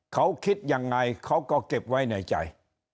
เขาคิดยังไงเขาก็เก็บไว้ในใจ